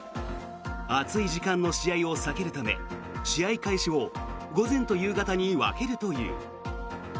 暑い時間の試合を避けるため試合開始を午前と夕方に分けるという。